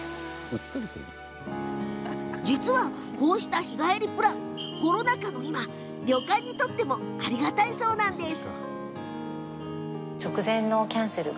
実は、こうした日帰りプランコロナ禍の今、旅館にとってもありがたいそうです。